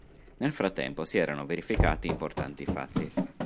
Nel frattempo si erano verificati importanti fatti.